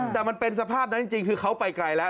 แต่มันเป็นสภาพนั้นจริงคือเขาไปไกลแล้ว